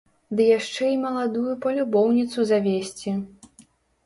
Ды яшчэ і маладую палюбоўніцу завесці.